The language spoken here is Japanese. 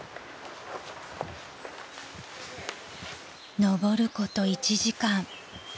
［登ること１時間］